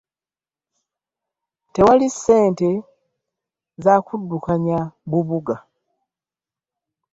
Tewali ssente zakudukanya bubuga.